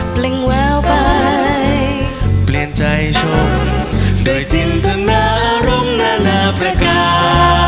เพลงแววไปเปลี่ยนใจชมโดยจินทนารมนานาประกาศ